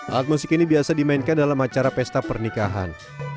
alat musik ini biasa dimainkan dalam acara pesta pernikahan